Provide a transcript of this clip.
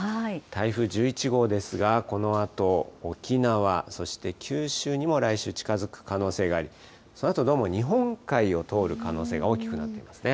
台風１１号ですが、このあと、沖縄そして九州にも来週近づく可能性があり、そのあと、どうも日本海を通る可能性が大きくなっていますね。